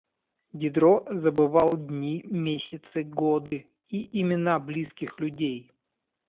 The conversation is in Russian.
Дидро забывал дни, месяцы, годы и имена близких людей.